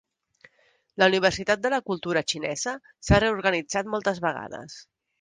La Universitat de la Cultura Xinesa s'ha reorganitzat moltes vegades.